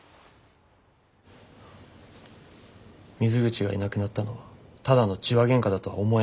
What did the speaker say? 水口がいなくなったのはただの痴話喧嘩だとは思えない。